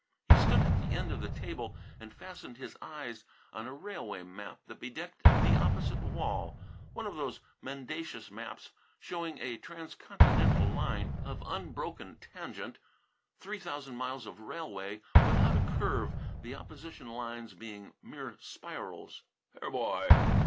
He stood at the end of the table and fastened his eyes on a railway map that bedecked the opposite wall, one of those mendacious maps showing a trans continental line of unbroken tangent; three thousand miles of railway without a curve, the opposition lines being mere spirals. "Here, boy!"